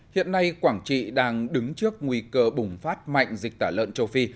hiện nay quảng trị đang đứng trước nguy cơ bùng phát mạnh dịch tả lợn châu phi